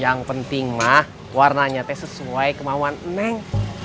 yang penting mah warnanya teh sesuai kemauan neng